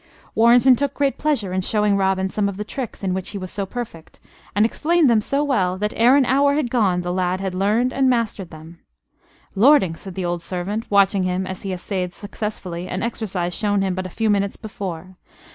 Warrenton took great pleasure in showing Robin some of the tricks in which he was so perfect; and explained them so well that ere an hour had gone the lad had learned and mastered them. "Lording," said the old servant, watching him as he essayed successfully an exercise shown him but a few minutes before.